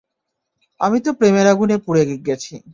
আমি তো প্রেমের আগুনে পুড়েই গেছি।